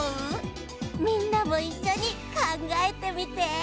みんなもいっしょにかんがえてみて。